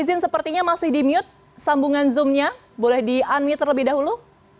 menteri sepertinya masih di mute sambungan zoom nya boleh di unmute terlebih dahulu